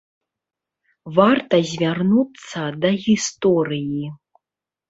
Варта звярнуцца да гісторыі.